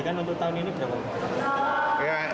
satu tahun ini berapa